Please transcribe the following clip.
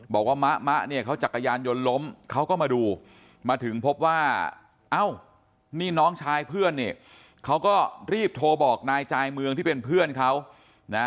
บอกว่ามะมะเนี่ยเขาจักรยานยนต์ล้มเขาก็มาดูมาถึงพบว่าเอ้านี่น้องชายเพื่อนเนี่ยเขาก็รีบโทรบอกนายจายเมืองที่เป็นเพื่อนเขานะ